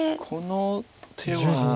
この手は。